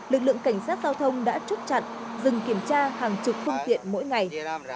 lực lượng cảnh sát giao thông đã chốt chặn dừng kiểm tra hàng chục phương tiện mỗi ngày